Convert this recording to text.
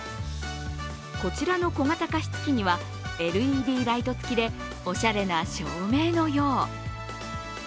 こちらの小型加湿器にはＬＥＤライト付きでおしゃれな照明のよう。